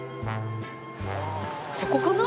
そこかな？